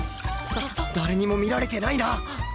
誰にも見られてないな？